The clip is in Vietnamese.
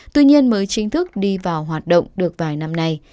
tuy nhiên mới chính thức đi vào hoạt động được vài năm nay